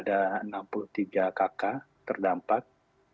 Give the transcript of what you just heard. ada empat warga yang meninggal dunia terdampak